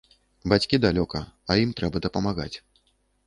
Бацькі далёка, а ім трэба дапамагаць.